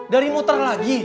dari muter lagi